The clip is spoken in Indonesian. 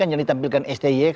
yang ditampilkan sti